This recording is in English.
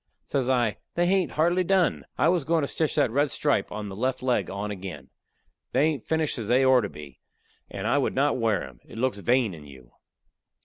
Says I: "They hain't hardly done. I was goin' to stitch that red stripe on the left leg on again. They ain't finished as they ort to be, and I would not wear 'em. It looks vain in you."